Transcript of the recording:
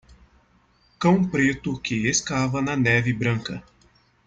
Cão preto que escava na neve branca.